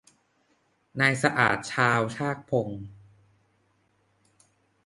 นายสะอาดชาวชากพง